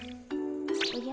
おじゃ？